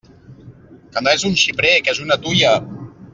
Que no és un xiprer, que és una tuia!